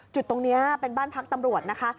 จุดตรงนี้เป็นบ้านพักตำรวจนะคะ